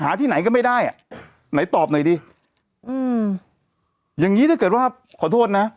ที่ไหนก็ไม่ได้อ่ะไหนตอบหน่อยดีอืมอย่างงี้ถ้าเกิดว่าขอโทษนะ